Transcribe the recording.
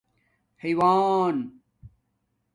حِیوان